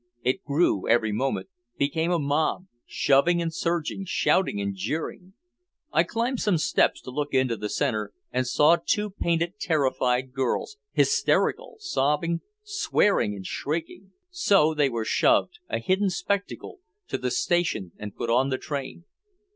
It grew every moment, became a mob, shoving and surging, shouting and jeering. I climbed some steps to look into the center, and saw two painted terrified girls, hysterical, sobbing, swearing and shrieking. So they were shoved, a hidden spectacle, to the station and put on the train.